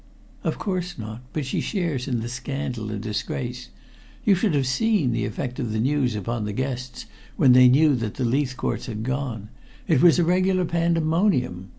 "Of course not. But she shares in the scandal and disgrace. You should have seen the effect of the news upon the guests when they knew that the Leithcourts had gone. It was a regular pandemonium.